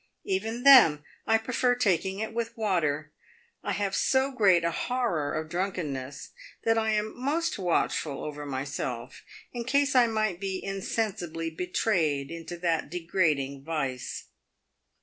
Even then I prefer taking it with water. I have so great a horror of drunkenness that I am most watchful over myself in case I might be insensibly be trayed into that degrading vice."